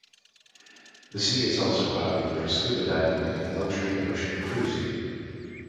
The sea is also popular for scuba diving and luxury ocean cruising.